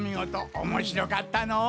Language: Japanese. おもしろかったのう。